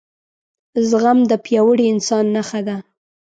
زغم دپیاوړي انسان نښه ده